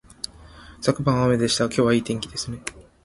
昨晩は雨でしたが、今日はいい天気ですね